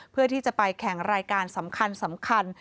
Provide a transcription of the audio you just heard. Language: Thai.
เพื่อที่จะไปแข่งรายการสำคัญ